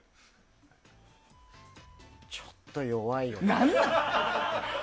ちょっと弱いよね。